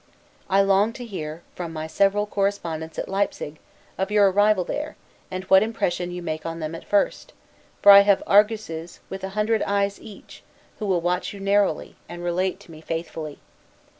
I long to hear, from my several correspondents at Leipsig, of your arrival there, and what impression you make on them at first; for I have Arguses, with an hundred eyes each, who will watch you narrowly, and relate to me faithfully.